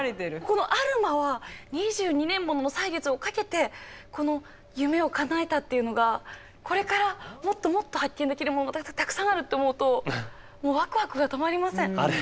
このアルマは２２年もの歳月をかけてこの夢をかなえたっていうのがこれからもっともっと発見できるものたくさんあるって思うともうワクワクが止まりません。